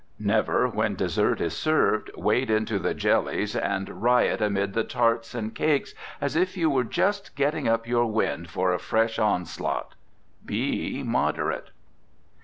Never, when dessert is served, wade into the jellies and riot amid the tarts and cakes as if you were just getting up your wind for a fresh onslaught. Be moderate.